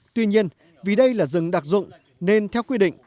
tuy nhiên vì đây là rừng đặc dụng nên theo quy định